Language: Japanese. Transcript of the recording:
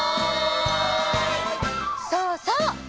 そうそう！